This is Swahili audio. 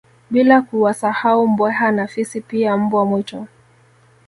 Bila kuwasahau Mbweha na Fisi pia Mbwa mwitu